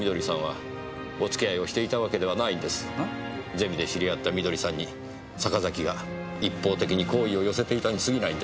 ゼミで知り合った美登里さんに坂崎が一方的に好意を寄せていたに過ぎないんです。